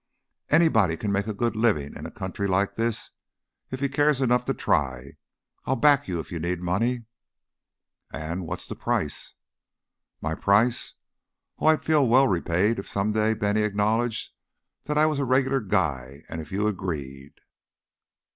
"Anybody can make a good living in a country like this if he cares enough to try. I'll back you if you need money." "And what's the price?" "My price? Oh, I'd feel well repaid if some day Bennie acknowledged that I was a 'regular guy,' and if you agreed."